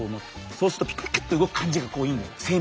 そうするとピクピクッて動く感じがいいのよ。